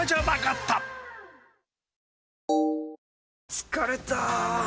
疲れた！